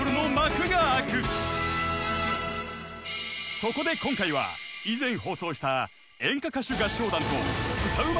［そこで今回は以前放送した演歌歌手合唱団と歌うま